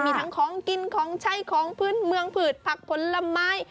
มีทั้งของกินของใช้ของพื้นเมืองผืดผักผลไม้